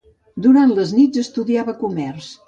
Durant les nits estudiava comerç.